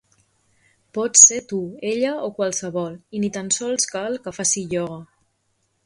Pots ser tu, ella o qualsevol, i ni tan sols cal que faci ioga.